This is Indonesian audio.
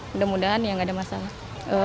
mudah mudahan tidak ada masalah